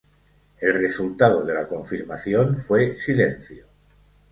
El resultado de la confirmación fue silencio.